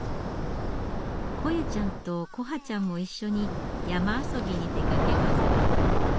來夢ちゃんと來華ちゃんも一緒に山遊びに出かけます。